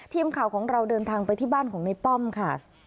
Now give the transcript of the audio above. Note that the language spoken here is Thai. ทีมข่าวของเราเดินทางไปที่บ้านของในป้อมค่ะ